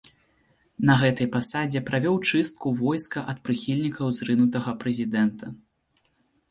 На гэтай пасадзе правёў чыстку войска ад прыхільнікаў зрынутага прэзідэнта.